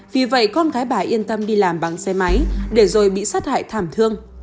vì vậy con gái bà yên tâm đi làm bằng xe máy để rồi bị sát hại thảm thương